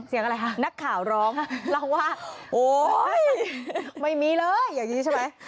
เสียงอะไรคะนักข่าวร้องเล่าว่าโอ๊ยไม่มีเลยอย่างนี้ใช่ไหม